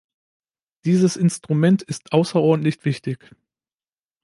Dieses Instrument ist außerordentlich wichtig.